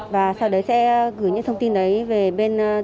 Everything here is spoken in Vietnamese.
và sau đấy sẽ gửi những thông tin đấy về bên cửa hàng